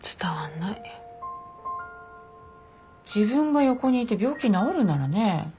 自分が横にいて病気治るならね。